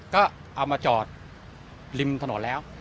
ก็เอามาจอดริมถนนแล้ว